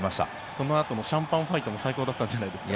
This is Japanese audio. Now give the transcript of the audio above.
そのあとのシャンパンファイトも最高だったんじゃないですか。